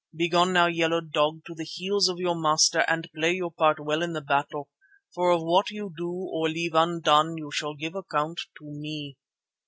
Begone now, Yellow Dog, to the heels of your master, and play your part well in the battle, for of what you do or leave undone you shall give account to me.